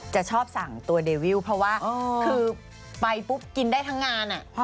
จะชอบสั่งตัวเดวิลเพราะว่าคือไปปุ๊บกินได้ทั้งงาน